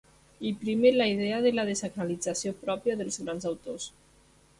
Hi prima la idea de la dessacralització pròpia dels grans autors.